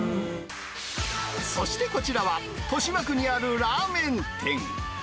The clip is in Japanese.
そしてこちらは、豊島区にあるラーメン店。